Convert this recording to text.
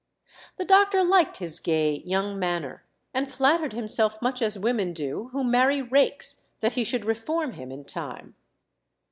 The doctor liked his gay, young manner, and flattered himself much as women do who marry rakes, that he should reform him in time.